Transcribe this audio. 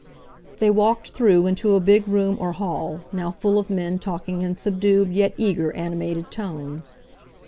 They walked through into a big room or hall, now full of men talking in subdued yet eager, animated tones.